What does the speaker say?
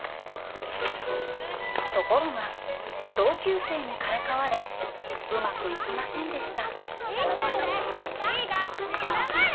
ところが同級生にからかわれうまくいきませんでした黙れ！